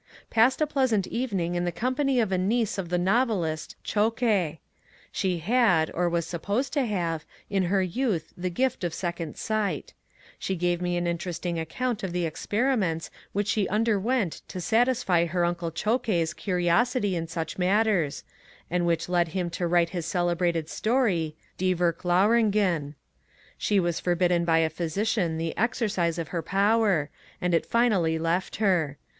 Passed a pleasant evenine in the company of a niece of the novelist Zschokke. She had, or was supposed to have, in her youth the gift of second sight. She gave me an interesting account of the experiments which she underwent to satisfy her uncle Zschokke's curiosity in such matters, and which led him to write his celebrated story, ^* Die Yerklarungen." She was forbidden by a physician the exercise of her power, and it finally left her.